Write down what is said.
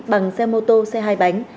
bằng xe mô tô xe hai bánh